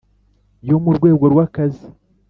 yo mu rwego rw’akazi